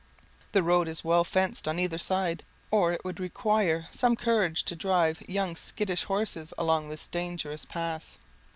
The road is well fenced on either side, or it would require some courage to drive young skittish horses along this dangerous pass.